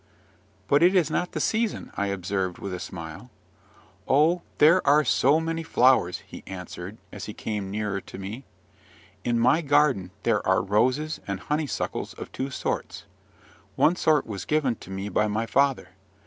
"But it is not the season," I observed, with a smile. "Oh, there are so many flowers!" he answered, as he came nearer to me. "In my garden there are roses and honeysuckles of two sorts: one sort was given to me by my father!